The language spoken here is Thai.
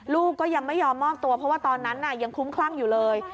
ลูกก็ยังไม่ยอมมอบตัวเพราะว่าตอนนั้นยังคุ้มคลั่งอยู่เลย